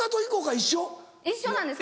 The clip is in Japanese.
一緒なんです。